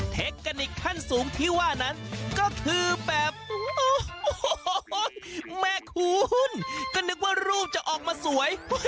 เทคนิคขั้นสูงที่ว่านั้นก็คือแบบโอ้โหแม่คุณก็นึกว่ารูปจะออกมาสวย